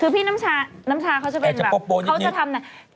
คือพี่น้ำชาเขาจะเป็นแบบเขาจะทำแบบแบบจะโปรโปรยังไง